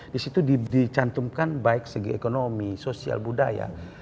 di situ dicantumkan baik segi ekonomi sosial budaya